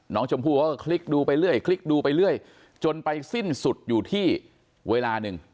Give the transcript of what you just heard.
น้องชมพู่เขาก็คลิกดูไปเรื่อยจนไปสิ้นสุดอยู่ที่เวลานึง